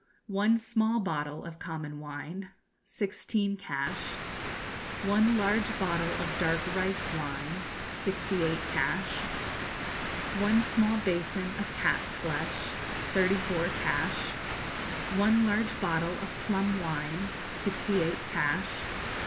One small bottle of common wine sixteen cash. One large bottle of dark rice wine sixty eight cash. One small basin of cat's flesh thirty four cash. One large bottle of plum wine sixty eight cash.